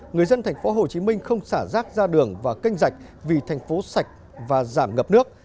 người dân tp hcm không xả rác ra đường và canh rạch vì thành phố sạch và giảm ngập nước